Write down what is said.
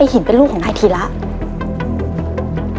ไอ้หินเป็นลูกของนายทีแล้ว